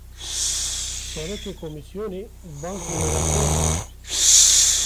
Serokê komîsyonê, bang li welatiyan jî kir